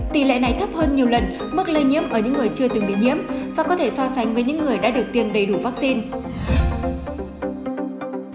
tỷ lệ này thấp hơn nhiều lần mức lây nhiễm ở những người chưa từng bị nhiễm và có thể so sánh với những người đã được tiêm đầy đủ vaccine